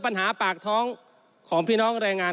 ปัญหาปากท้องของพี่น้องแรงงาน